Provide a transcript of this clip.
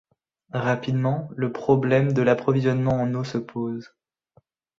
Rapidement, le problème de l'approvisionnement en eau se pose.